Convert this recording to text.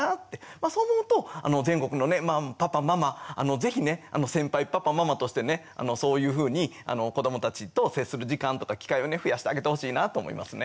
そう思うと全国のパパママ是非ね先輩パパママとしてねそういうふうに子どもたちと接する時間とか機会を増やしてあげてほしいなと思いますね。